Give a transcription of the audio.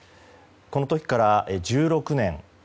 この時から１６年。